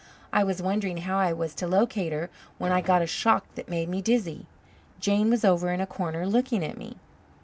I was wondering how I was to locate her when I got a shock that made me dizzy. Jane was over in a corner looking at me.